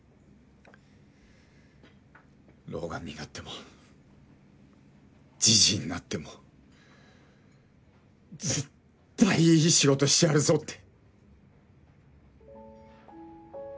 老眼になってもジジイになっても絶対いい仕事してやるぞって。